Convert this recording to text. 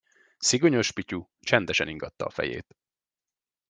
Szigonyos Pityu csendesen ingatta a fejét.